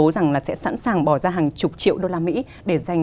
tại singapore cho rằng